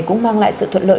cũng mang lại sự thuận lợi